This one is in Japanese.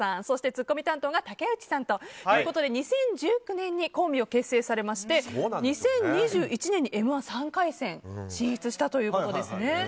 ツッコミ担当が竹内さんということで２０１９年にコンビを結成されまして２０２１年に「Ｍ‐１」３回戦進出したということですね。